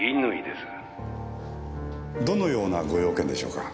どのようなご用件でしょうか？